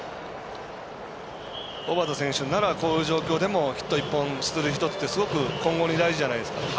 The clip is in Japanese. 小幡選手ならこういう状況でもヒット１本、出塁１つって今後に大事じゃないですか。